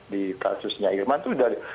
di kasusnya irman itu